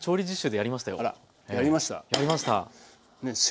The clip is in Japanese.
やりました？